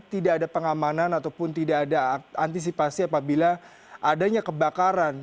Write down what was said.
tidak ada pengamanan ataupun tidak ada antisipasi apabila adanya kebakaran